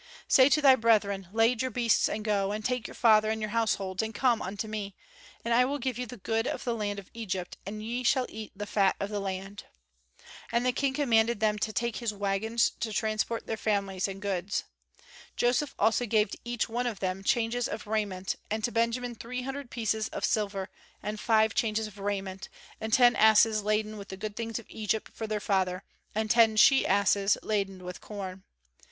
"Say to thy brethren, lade your beasts and go, and take your father and your households, and come unto me; and I will give you the good of the land of Egypt, and ye shall eat the fat of the land." And the King commanded them to take his wagons to transport their families and goods. Joseph also gave to each one of them changes of raiment, and to Benjamin three hundred pieces of silver and five changes of raiment, and ten asses laden with the good things of Egypt for their father, and ten she asses laden with corn.